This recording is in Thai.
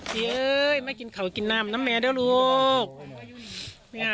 หลังจากทำพิธีเชิญลงวิญญาณเสร็จเนี่ยนะคะ